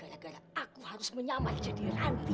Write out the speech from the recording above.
gara gara aku harus menyamai jadi ranti